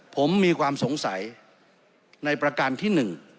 ผมมีความสงสัยในประการที่๑